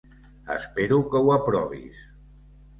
Espero que ho aprovis.